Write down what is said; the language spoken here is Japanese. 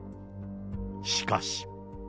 しかし。